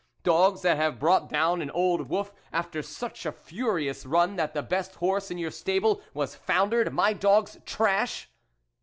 dogs that have brought down an old wolf after such a furious run that the best horse in your stabli was foundered I my dogs trash